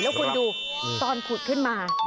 แล้วคุณดูตอนขุดขึ้นมา